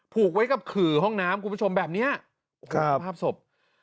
ผูกไว้กับขื่อห้องน้ำคุณผู้ชมแบบเนี้ยโอ้โหสภาพศพ